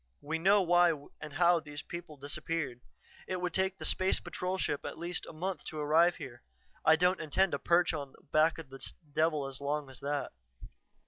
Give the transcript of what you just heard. We know why and how those people disappeared. It would take the Space Patrol ship at least a month to arrive here; I don't intend to perch on the back of this devil as long as that.